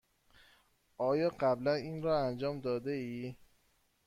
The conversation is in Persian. آیا قبلا این را انجام داده ای؟